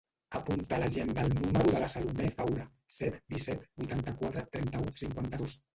Apunta a l'agenda el número de la Salomé Faura: set, disset, vuitanta-quatre, trenta-u, cinquanta-dos.